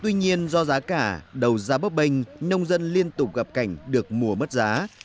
tuy nhiên do giá cả đầu ra bấp bênh nông dân liên tục gặp cảnh được mùa mất giá